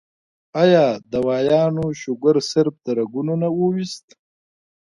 ايا دې دوايانو شوګر صرف د رګونو نه اوويستۀ